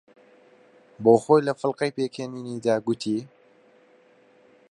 بۆ خۆی لە فڵقەی پێکەنینی دا، گوتی: